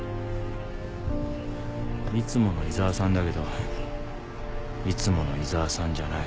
いつもの井沢さんだけどいつもの井沢さんじゃない。